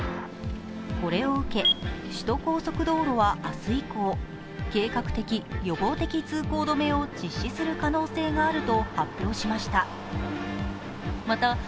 これを受け首都高速道路は明日以降、計画的・予防的通行止めを実施する可能性があると発表しました。